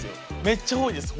めっちゃ多いです